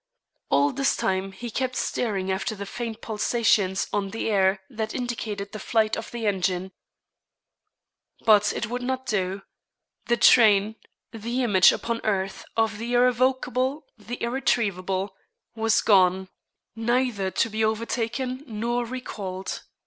All this time he kept staring after the faint pulsations on the air that indicated the flight of the engine. But it would not do. The train the image upon earth of the irrevocable, the irretrievable was gone, neither to be overtaken nor recalled.